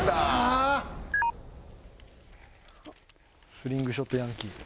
スリングショットヤンキー。